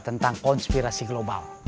tentang konspirasi global